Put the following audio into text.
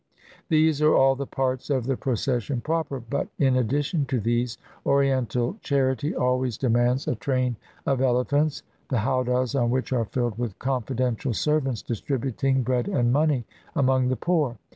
These are all the parts of the procession proper; but, in addition to these, Oriental charity always demands a train of elephants, the howdahs on which are filled with confidential servants distributing bread and money among the poor.